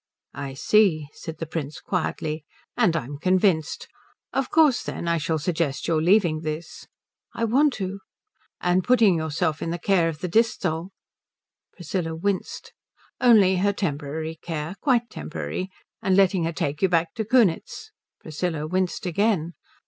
"I see," said the Prince quietly. "And I'm convinced. Of course, then, I shall suggest your leaving this." "I want to." "And putting yourself in the care of the Disthal." Priscilla winced. "Only her temporary care. Quite temporary. And letting her take you back to Kunitz." Priscilla winced again.